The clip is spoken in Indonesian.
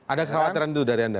ada kekhawatiran itu dari anda